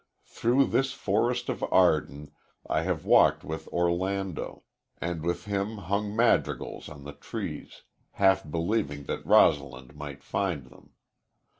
Through this forest of Arden I have walked with Orlando, and with him hung madrigals on the trees, half believing that Rosalind might find them.